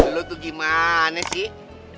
lu tuh gimana sih